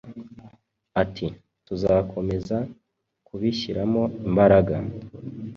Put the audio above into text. Ati “Tuzakomeza kubishyiramo imbaraga